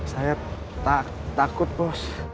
saya takut bos